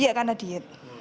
iya karena diet